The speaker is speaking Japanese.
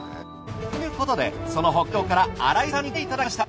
ということでその北海道から新井さんに来ていただきました。